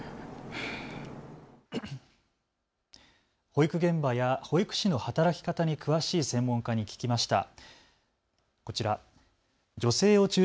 保育現場や保育士の働き方に詳しい専門家に聞きました。